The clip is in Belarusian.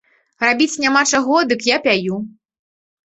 Рабіць няма чаго, дык я пяю.